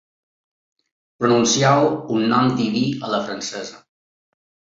Pronuncieu un nom diví a la francesa.